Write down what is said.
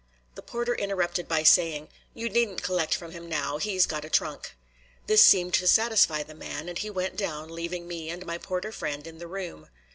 The porter interrupted by saying: "You needn't collect from him now, he's got a trunk." This seemed to satisfy the man, and he went down, leaving me and my porter friend in the room.